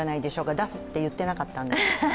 出すと言ってなかったんで。